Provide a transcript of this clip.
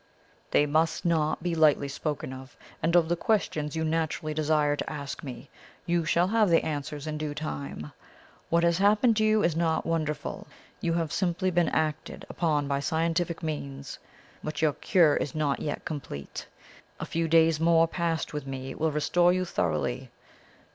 'They must not be lightly spoken of. And of the questions you naturally desire to ask me, you shall have the answers in due time. What has happened to you is not wonderful; you have simply been acted upon by scientific means. But your cure is not yet complete. A few days more passed with me will restore you thoroughly.